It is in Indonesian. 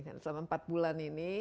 selama empat bulan ini